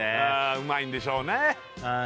うまいんでしょうね